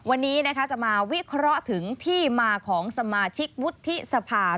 วันนี้จะมาวิเคราะห์ถึงสมาชิกวุฒิศภาคม